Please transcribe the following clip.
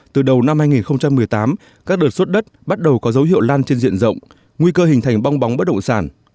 từ đầu năm hai nghìn một mươi tám các đợt xuất đất bắt đầu có dấu hiệu lan trên diện rộng nguy cơ hình thành bong bóng bất động sản